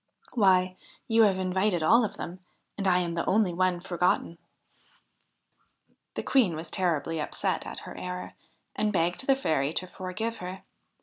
Why, you have invited all of them, and I am the only one forgotten.' The Queen was terribly upset at her error, and begged the Fairy to forgive her.